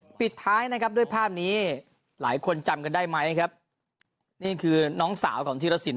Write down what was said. ปิดท้ายนะครับด้วยภาพนี้หลายคนจำกันได้ไหมครับนี่คือน้องสาวของธีรสิน